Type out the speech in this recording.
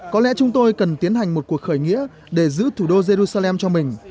có lẽ chúng tôi cần tiến hành một cuộc khởi nghĩa để giữ thủ đô jerusalem cho mình